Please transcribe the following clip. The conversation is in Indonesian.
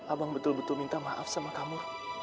abang betul betul minta maaf sama kamu